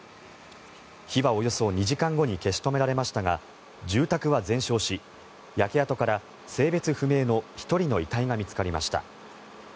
火はおよそ２時間後に消し止められましたが住宅は全焼し焼け跡から性別不明の１人の遺体が見つかりました。